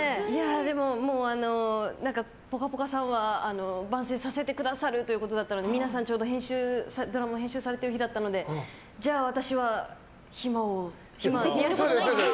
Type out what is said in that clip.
でも、「ぽかぽか」さんは番宣させてくださるということだったので皆さんちょうど編集されている日だったのでじゃあ私は暇王にと。